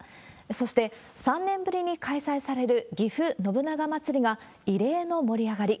そして、３年ぶりに開催されるぎふ信長まつりが、異例の盛り上がり。